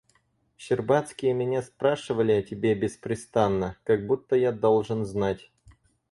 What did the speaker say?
Щербацкие меня спрашивали о тебе беспрестанно, как будто я должен знать.